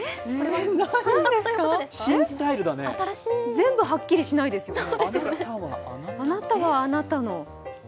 全部はっきりしないですよね。